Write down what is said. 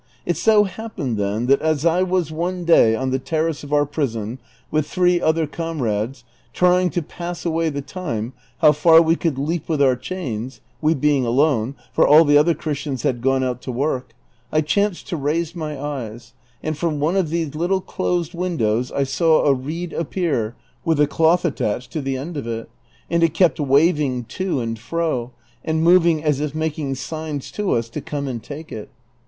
It so happened, then, that as I was one day on the terrace of our prison with three otlier comrades, trying, to pass &wa.y the time, how far we could leaj) with our chains, we beino alone, for all the other Christians had gone out to work, I chanced to raise my eyes, and from one of these little closed windows I saw a reed appear with a cloth attached to the end of it, and it kept wav ing to and fro, and moving as if making signs to us to come and take it.